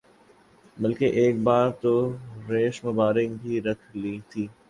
بلکہ ایک بار تو ریش مبارک بھی رکھ لی تھی